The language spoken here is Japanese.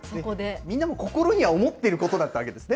みんなも心には思ってることだったわけですね。